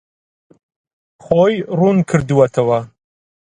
خۆی ڕوون کردووەتەوە.